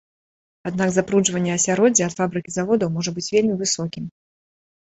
Аднак забруджванне асяроддзя ад фабрык і заводаў можа быць вельмі высокім.